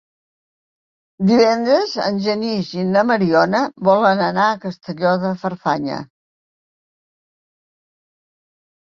Divendres en Genís i na Mariona volen anar a Castelló de Farfanya.